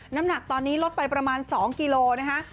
น้ำหนักตอนนี้ลดไปประมาณ๒กิโลนะคะ